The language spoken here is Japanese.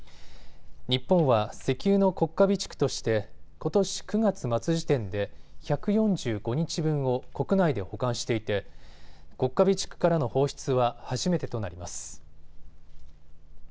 日本は石油の国家備蓄としてことし９月末時点で１４５日分を国内で保管していて国家備蓄からの放出は初めてとなります。